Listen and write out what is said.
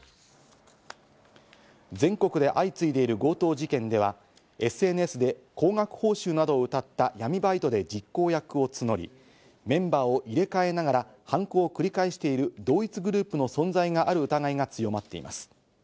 全国で相次いでいる強盗事件では、ＳＮＳで高額報酬などをうたった闇バイトで実行役を募り、メンバーを入れ替えながら犯行を繰り返してる同一グループの存在がある疑いが強まっています。